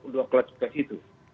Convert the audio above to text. dua klasifikasi itu